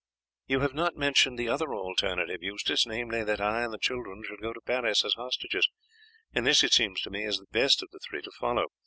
"You have not mentioned the other alternative, Eustace, namely, that I and the children should go to Paris as hostages; and this, it seems to me, is the best of the three to follow.